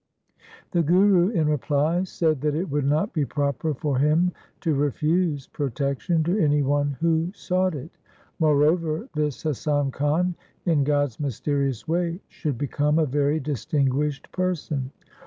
The Guru, in reply, said that it would not be proper for him to refuse pro tection to any one who sought it. Moreover, this Hasan Khan in God's mysterious way should be come a very distinguished person.